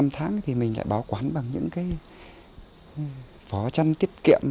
năm tháng thì mình lại bảo quản bằng những cái phó chăn tiết kiệm